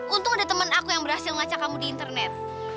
untung ada temen aku yang berhasil mengacak kamu di internet